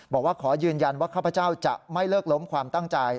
บอกว่าขอยืนยันว่าข้าพเจ้าจะไม่เลิกล้มความตั้งใจ